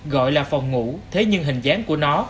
gọi là phòng ngủ thế nhưng hình dáng của nó